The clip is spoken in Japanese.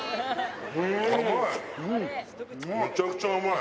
めちゃくちゃ甘い。